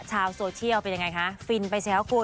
ชาวโซเชียลเป็นยังไงคะฟินไปใช่หรือเปล่าคุณ